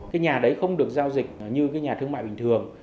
cái nhà đấy không được giao dịch như cái nhà thương mại bình thường